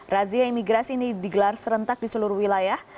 razia imigrasi ini digelar serentak di seluruh wilayah